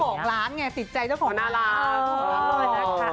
เจ้าของร้านไงสิทธิ์ใจเจ้าของร้าน